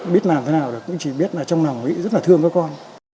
biết làm thế nào được cũng chỉ biết là trong lòng mình rất là thương các con